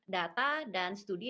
data dan studi